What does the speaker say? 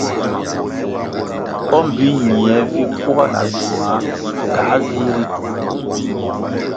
O mbpi ñie vi kuga na gywumā kāa vih ritu.